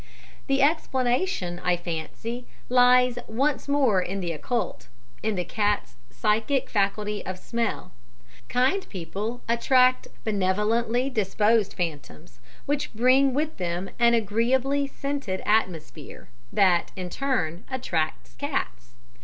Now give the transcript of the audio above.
The explanation, I fancy, lies once more in the occult in the cat's psychic faculty of smell. Kind people attract benevolently disposed phantoms, which bring with them an agreeably scented atmosphere, that, in turn, attracts cats.